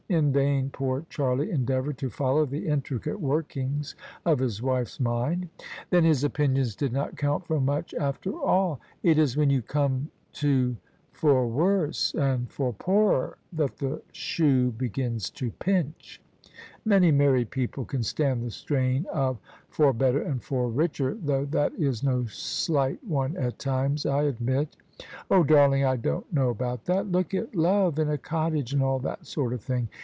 ^' In vain poor Charlie endeavoured to follow the intricate workings of his wife's mind. " Then his opinions did not count for much after all. It THE SUBJECTION is when you come to ' for worse ' and ' for poorer ' that the shoe begins to pinch. Many married people can stand the strain of * for better ' and ' for richer '— ^though that is no slight one at times, I admit" "Oh! darling, I don't know about that Look at love in a cottage, and all that sort of thing.